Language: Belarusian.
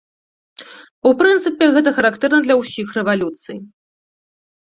У прынцыпе, гэта характэрна для ўсіх рэвалюцый.